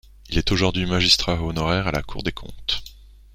Il est aujourd'hui magistrat honoraire à la Cour des comptes.